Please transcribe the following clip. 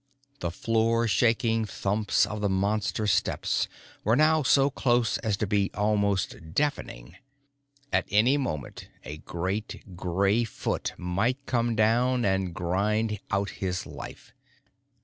The floor shaking thumps of the Monster's steps were now so close as to be almost deafening. At any moment, a great gray foot might come down and grind out his life.